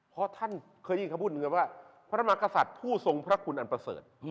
เพราะท่านเคยได้ยินคำพูดเหมือนกันว่าพระมากษัตริย์ผู้ทรงพระคุณอันประเสริฐ